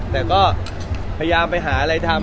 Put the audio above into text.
แต่ก็พยายามไปหาอะไรทำ